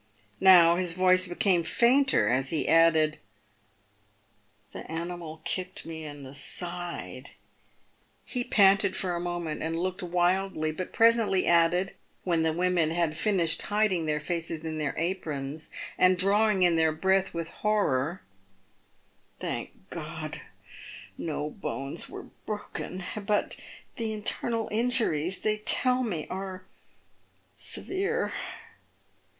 Now his voice became fainter, as he added, "The animal kicked me in the side," he panted for a moment and looked wildly, but presently added, when the women had finished hiding their faces in their aprons, and drawing in their breath with horror, " thank God, no ... bones ... were broken ... but ... the internal injuries ... they tell me ... are ... PAVED WITH GOLD. 313 se ... vere."